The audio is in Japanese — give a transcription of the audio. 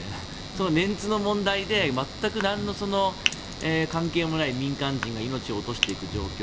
そのメンツの問題でなんの関係もない民間人が命を落としていく状況